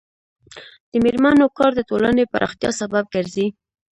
د میرمنو کار د ټولنې پراختیا سبب ګرځي.